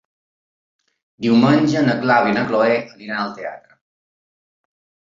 Diumenge na Clàudia i na Cloè aniran al teatre.